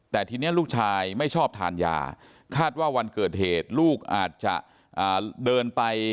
แต่ทีนี้ลูกชายไม่ชอบทานยาคาดว่าวันเกิดเหตุลูกอาจจะเดินไป